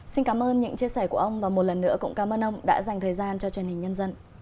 xin cảm ơn những chia sẻ của ông và một lần nữa cũng cảm ơn ông đã dành thời gian cho truyền hình nhân dân